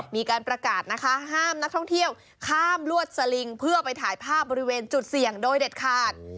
มีการประกาศนะคะห้ามนักท่องเที่ยวข้ามลวดสลิงเพื่อไปถ่ายภาพบริเวณจุดเสี่ยงโดยเด็ดขาด